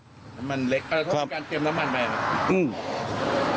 น้ำมันเล็กแต่ว่าต้องการเตรียมน้ำมันไหมครับ